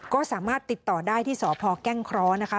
ก็สามารถติดต่อได้ที่สพแก้งเคราะห์นะคะ